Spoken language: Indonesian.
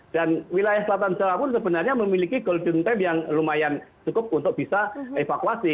dan wilayah selatan jawa pun sebenarnya memiliki golden time yang lumayan cukup untuk bisa evakuasi